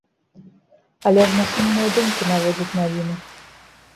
Але ж на сумныя думкі наводзяць навіны.